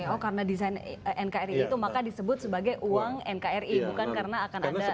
oh karena desain nkri itu maka disebut sebagai uang nkri bukan karena akan ada